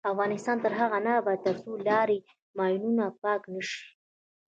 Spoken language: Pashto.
افغانستان تر هغو نه ابادیږي، ترڅو لارې له ماینونو پاکې نشي.